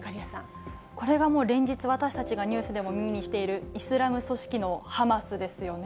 これがもう、連日、私たちがニュースで耳にしている、イスラム組織のハマスですよね。